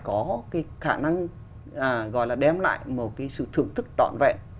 có cái khả năng gọi là đem lại một cái sự thưởng thức trọn vẹn